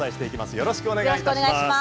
よろしくお願いします。